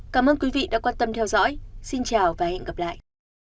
cảm ơn quý vị đã quan tâm theo dõi xin chào và hẹn gặp lại